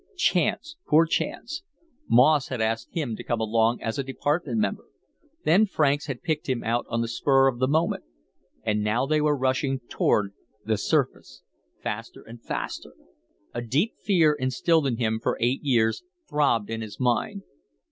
Chance, pure chance. Moss had asked him to come along as a Department member. Then Franks had picked him out on the spur of the moment. And now they were rushing toward the surface, faster and faster. A deep fear, instilled in him for eight years, throbbed in his mind.